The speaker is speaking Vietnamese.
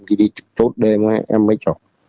thì đi trực tốt đêm em mới chọc